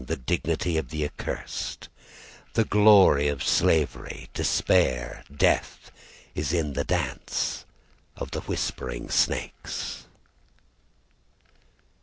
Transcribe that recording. The dignity of the accursed; The glory of slavery, despair, death, Is in the dance of the whispering snakes.